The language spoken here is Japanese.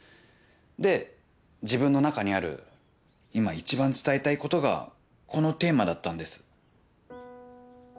で自分の中にある今一番伝えたいことがこのテーマだったんです。